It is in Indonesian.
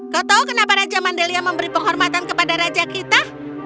kau tahu kenapa raja mandelia memberi penghormatan kepada raja kita